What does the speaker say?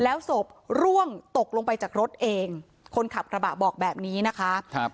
แล้วศพร่วงตกลงไปจากรถเองคนขับกระบะบอกแบบนี้นะคะครับ